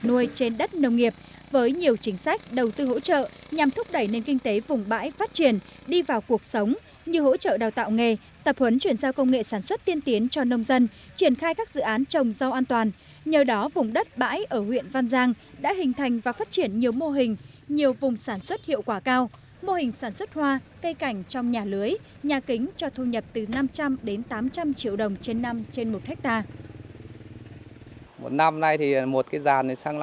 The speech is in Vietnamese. huyện văn giang có nhiều chính sách đầu tư hỗ trợ nhằm thúc đẩy nền kinh tế vùng bãi phát triển đi vào cuộc sống như hỗ trợ đào tạo nghề tập huấn chuyển giao công nghệ sản xuất tiên tiến cho nông dân triển khai các dự án trồng dâu an toàn nhờ đó vùng đất bãi ở huyện văn giang đã hình thành và phát triển nhiều mô hình nhiều vùng sản xuất hiệu quả cao mô hình sản xuất hoa cây cảnh trong nhà lưới nhà kính cho thu nhập từ năm trăm linh đến tám trăm linh triệu đồng trên năm trên một hectare